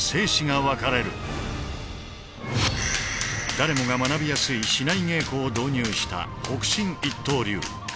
誰もが学びやすい竹刀稽古を導入した北辰一刀流。